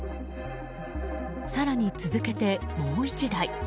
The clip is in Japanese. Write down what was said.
更に続けてもう１台。